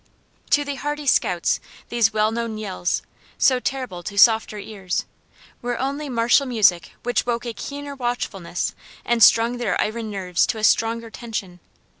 To the hardy scouts these well known yells, so terrible to softer ears, were only martial music which woke a keener watchfulness and strung their iron nerves to a stronger tension.